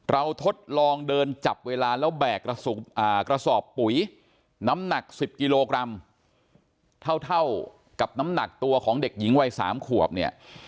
ทดลองเดินจับเวลาแล้วแบกกระสอบปุ๋ยน้ำหนัก๑๐กิโลกรัมเท่ากับน้ำหนักตัวของเด็กหญิงวัย๓ขวบเนี่ย